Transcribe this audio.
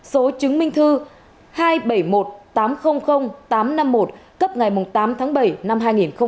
số chứng minh thư hai trăm bảy mươi một tám trăm linh tám trăm năm mươi một cấp ngày tám tháng bảy năm hai nghìn một mươi chín